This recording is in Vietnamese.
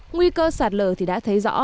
nguy cơ sạt lờ thì đã thấy rõ